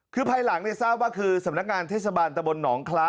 คือภายหลังทราบว่าคือสำนักงานเทศบาลตะบลหนองคล้า